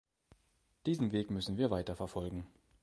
Diesen Weg müssen wir weiterverfolgen.